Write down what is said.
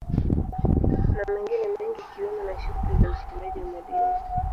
Na mengine mengi ikiwemo na shughuli za uchimbaji wa madini